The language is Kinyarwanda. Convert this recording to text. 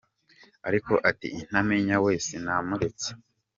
Ariko ati “intamenya we, sinamuretse”.